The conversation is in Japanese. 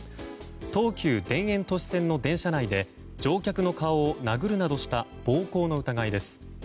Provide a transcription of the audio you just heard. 東急田園都市線の電車内で乗客の顔を殴るなどした暴行の疑いです。